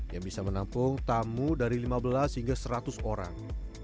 yang bisa menampung tamu dari lima belas hingga seratus orang